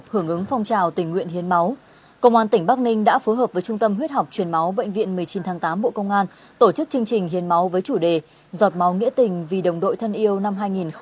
hưởng ứng phong trào tình nguyện hiến máu công an tỉnh bắc ninh đã phối hợp với trung tâm huyết học truyền máu bệnh viện một mươi chín tháng tám bộ công an tổ chức chương trình hiến máu với chủ đề giọt máu nghĩa tình vì đồng đội thân yêu năm hai nghìn hai mươi